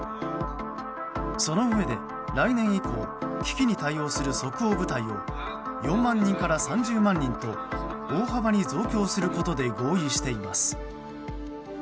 そのうえで来年以降危機に対応する即応部隊を４万人から３０万人と大幅に増強することで合意しています。